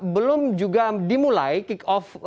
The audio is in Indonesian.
belum juga dimulai kick off